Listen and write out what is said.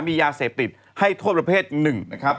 มียาเสพติดให้โทษประเภทหนึ่งนะครับ